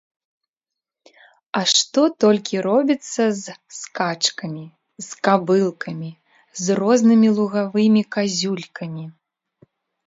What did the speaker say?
А што толькі робіцца з скачкамі, з кабылкамі, з рознымі лугавымі казюлькамі!